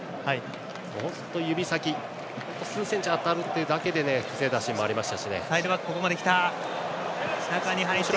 本当、指先数センチ当たるというだけで防いだシーンもありました。